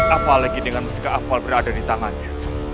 apalagi dengan mustika ampal berada di tangannya